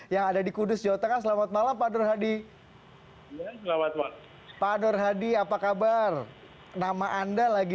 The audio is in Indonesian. yang ada di kudus jawa tengah selamat malam pak nur hadi pak nur hadi apa kabar nama anda lagi